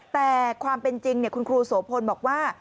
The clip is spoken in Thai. แต่ความเป็นจริงคุณครูโสพลบอกว่า